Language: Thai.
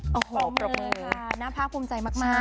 โอ้โหขอบคุณเลยค่ะน่าภาคภูมิใจมาก